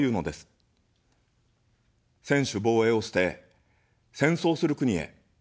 専守防衛を捨て、戦争する国へ。